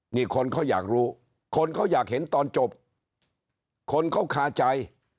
นี่คนเขาอยากรู้คนเขาอยากเห็นตอนจบคนเขาคาใจ